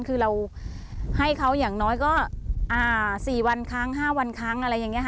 คือเราให้เขาอย่างน้อยก็๔วันครั้ง๕วันครั้งอะไรอย่างนี้ค่ะ